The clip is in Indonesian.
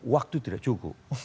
waktu tidak cukup